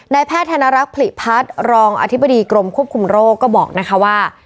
แพทย์ธนรักษ์ผลิพัฒน์รองอธิบดีกรมควบคุมโรคก็บอกนะคะว่า